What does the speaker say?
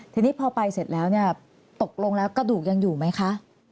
ทีนี้พอไปเสร็จแล้วเนี่ยตกลงแล้วกระดูกยังอยู่ไหมคะ